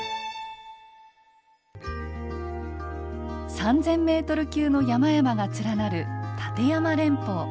３，０００ｍ級の山々が連なる立山連峰。